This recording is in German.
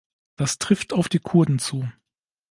Das trifft auf die Kurden zu.